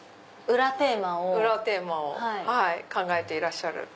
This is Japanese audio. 裏テーマを考えていらっしゃる。